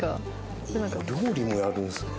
料理もやるんですね。